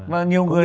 và nhiều người